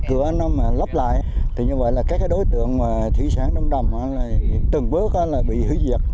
cửa nó lấp lại thì như vậy là các đối tượng thủy sản trong đầm ô loan từng bước bị hủy diệt